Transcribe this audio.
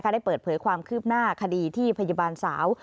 ได้เปิดเผยความคืบหน้าคดีที่พยาบาลสาว